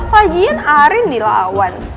lagian arin dilawan